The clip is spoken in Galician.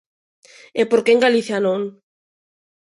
¿E por que en Galicia non?